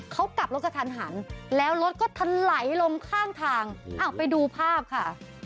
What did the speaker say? เขากลับรถกระทันหันแล้วรถก็ทะไหลลงข้างทางไปดูภาพค่ะ